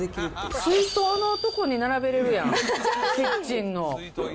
水筒のとこに並べられるやん、キッチンの。